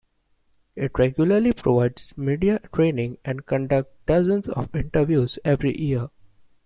It regularly provides media training and conducts dozens of interviews every year.